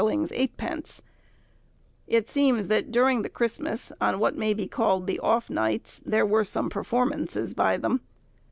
_, it seems that during the Christmas, on what may be called the off nights, there were some performances by them.